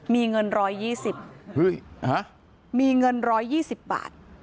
มีเงินร้อยยี่สิบมีเงินร้อยยี่สิบบาท